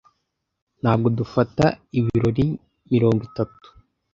ntabwo dufata ibirori mirongo itatu